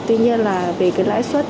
tuy nhiên là về cái lãi suất